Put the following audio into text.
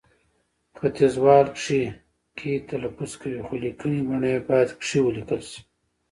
ختیځوال کښې، کې تلفظ کوي، خو لیکنې بڼه يې باید کښې ولیکل شي